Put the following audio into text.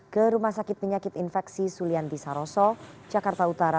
ke rumah sakit penyakit infeksi sulianti saroso jakarta utara